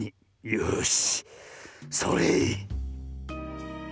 よしそれ！